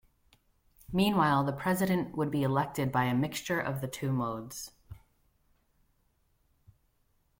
Meanwhile, the president would be elected by a mixture of the two modes.